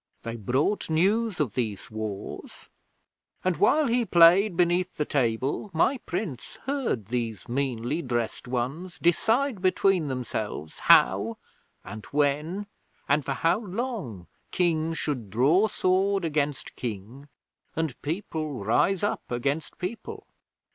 They brought news of these wars, and while he played beneath the table, my Prince heard these meanly dressed ones decide between themselves how, and when, and for how long King should draw sword against King, and People rise up against People.